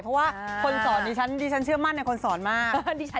เพราะว่าคนสอนดิฉันดิฉันเชื่อมั่นในคนสอนมาก